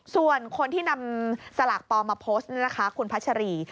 ส่วนคนที่นำสลากปลอมมาโพสต์นี่นะคะคุณพัชรี